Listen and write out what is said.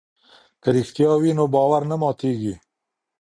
که رښتیا وي نو باور نه ماتیږي.